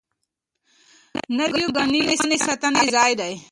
نیو ګیني ونې ساتنې ځای دی.